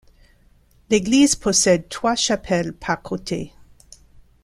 L'église possède trois chapelles par côté.